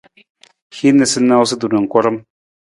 Hin niisaniisatu na karam.